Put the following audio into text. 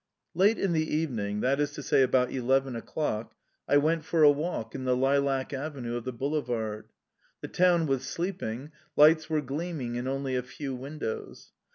Late in the evening, that is to say, about eleven o'clock, I went for a walk in the lilac avenue of the boulevard. The town was sleeping; lights were gleaming in only a few windows.